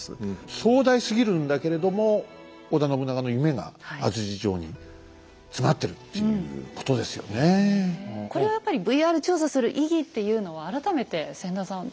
壮大すぎるんだけれどもこれはやっぱりＶＲ調査する意義っていうのは改めて千田さんどうでしょう。